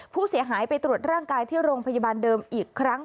ผู้เสียหายไปตรวจร่างกายที่โรงพยาบาลเดิมอีกครั้ง